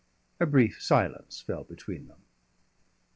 A brief silence fell between them.